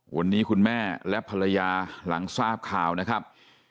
วันนี้คุณแม่และภรรยาหลังทราบข่าวนะครับ